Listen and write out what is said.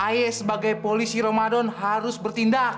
ahy sebagai polisi ramadan harus bertindak